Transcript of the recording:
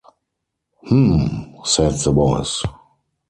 "H'm," said the Voice.